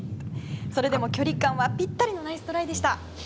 それでも距離感はぴったりのナイストライでした。